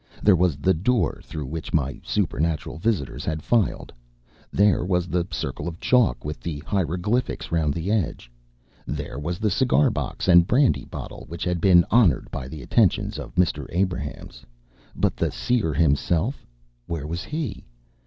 There was the door through which my supernatural visitors had filed. There was the circle of chalk with the hieroglyphics round the edge. There was the cigar box and brandy bottle which had been honoured by the attentions of Mr. Abrahams. But the seer himself where was he?